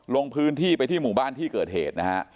ลงพื้นที่ไปที่หมู่บ้านที่เกิดเหตุนะฮะ